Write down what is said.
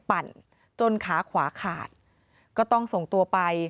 ปั่นจนขาขวาขาดก็ต้องส่งตัวไป